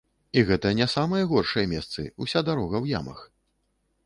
І гэта не самыя горшыя месцы, уся дарога ў ямах.